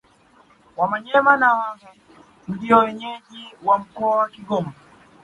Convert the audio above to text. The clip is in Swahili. Wamanyema na Waha ndio wenyeji wa mkoa wa Kigoma